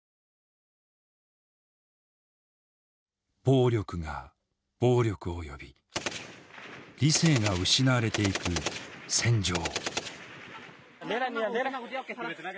暴力が暴力を呼び理性が失われていく戦場。